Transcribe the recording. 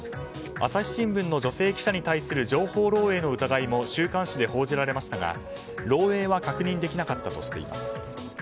朝日新聞の女性記者に対する情報漏えいの疑いも週刊誌で報じられましたが漏洩は確認できなかったとしています。